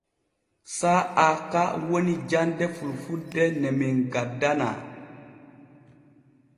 Saa'a ka woni jande fulfulde ne men gaddanaa.